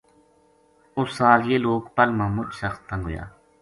اُس سال یہ لوک پَل ما مچ سخت تنگ ہویا